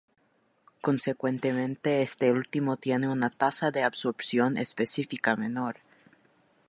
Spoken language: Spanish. Consecuentemente este último tiene una tasa de absorción específica menor.